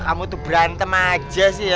kamu tuh berantem aja sih